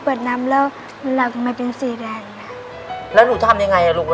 ในแคมเปญพิเศษเกมต่อชีวิตโรงเรียนของหนู